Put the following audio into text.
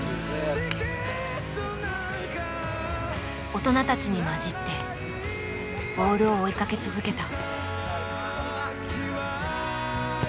大人たちに交じってボールを追いかけ続けた。